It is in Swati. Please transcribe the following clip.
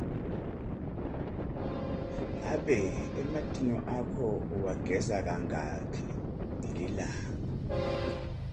Ngabe ematinyo akho uwageza kangakhi ngelilanga?